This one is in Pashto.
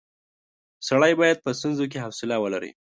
سړی باید په ستونزو کې حوصله ولري.